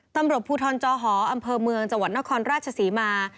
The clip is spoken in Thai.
ตำรวจภูทรจอหออำเภอเมืองจังหวัดนครราชศรีมา